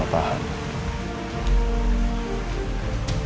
gak usah pura pura gak paham